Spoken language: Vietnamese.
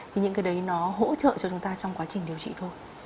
thì những cái đấy nó hỗ trợ cho chúng ta trong quá trình điều trị thôi